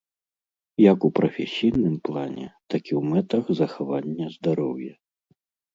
Як у прафесійным плане, так і ў мэтах захавання здароўя.